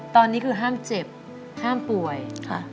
ตอนนี้คือห้ามเจ็บห้ามป่วยค่ะ